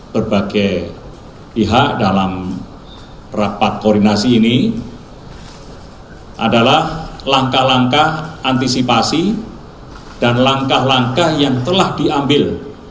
berbagai pihak dalam rapat koordinasi ini adalah langkah langkah antisipasi dan langkah langkah yang telah diambil